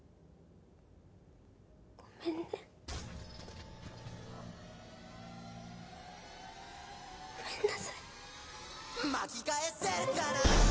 ごめんね。ごめんなさい。